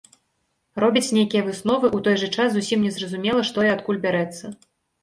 Робяць нейкія высновы, у той жа час зусім не зразумела, што і адкуль бярэцца.